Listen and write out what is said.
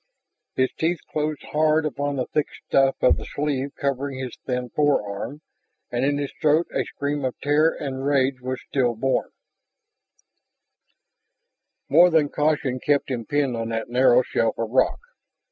His teeth closed hard upon the thick stuff of the sleeve covering his thin forearm, and in his throat a scream of terror and rage was stillborn. More than caution kept him pinned on that narrow shelf of rock.